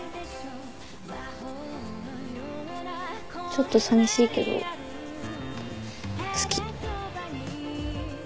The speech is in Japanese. ちょっとさみしいけど好き。